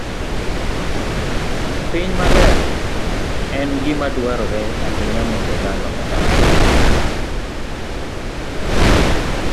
Piny maler en gima dwarore ahinya mondo dhano odagie.